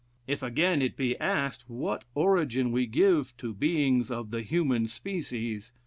If again it be asked, What origin we give to beings of the human species?